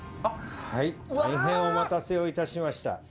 はい大変お待たせをいたしました。